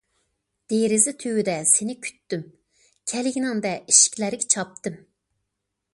دېرىزە تۈۋىدە سېنى كۈتتۈم، كەلگىنىڭدە ئىشىكلەرگە چاپتىم.